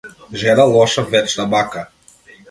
Жена лоша вечна мака.